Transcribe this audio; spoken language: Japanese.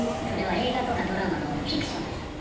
それは映画とかドラマのフィクションです。